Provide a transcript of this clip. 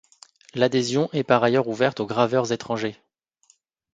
L'adhésion est par ailleurs ouverte aux graveurs étrangers.